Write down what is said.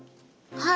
はい！